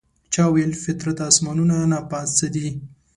چا ویل فطرته اسمانونو نه پاس څه دي؟